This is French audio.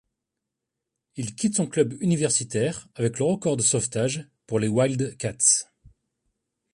Il quitte son club universitaire avec le record de sauvetages pour les Wildcats.